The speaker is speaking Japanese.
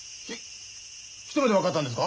ひ一目で分かったんですか？